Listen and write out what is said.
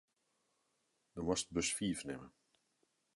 Do moatst bus fiif nimme.